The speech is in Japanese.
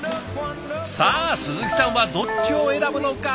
さあ鈴木さんはどっちを選ぶのか。